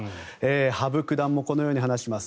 羽生九段もこのように話します。